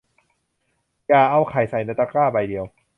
อย่าเอาไข่ใส่ไว้ในตะกร้าใบเดียว